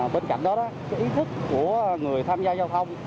bên cạnh đó cái ý thức của người tham gia giao thông